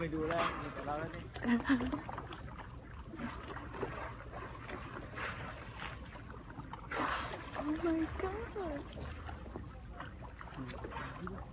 ดูข้ามไปดูแรงอยู่ตรงนั้นแล้วนิดหนึ่ง